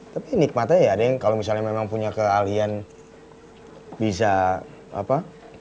tapi nikmatnya ya ada yang kalau misalnya memang punya keahlian bisa apa